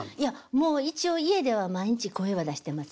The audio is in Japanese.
もう一応家では毎日声は出してます。